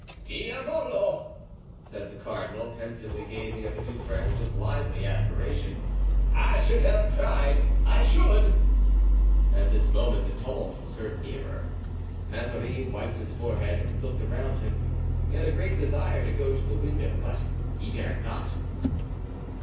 "Diavolo!" said the cardinal, pensively gazing at the two friends with lively admiration; "I should have cried, I should." At this moment the tumult was heard nearer. Mazarin wiped his forehead and looked around him. He had a great desire to go to the window, but he dared not.